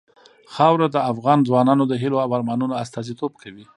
خاوره د افغان ځوانانو د هیلو او ارمانونو استازیتوب کوي.